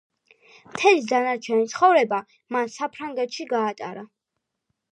მთელი დარჩენილი ცხოვრება მან საფრანგეთში გაატარა.